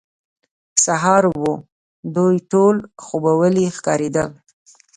سهار وو، دوی ټول خوبوړي ښکارېدل.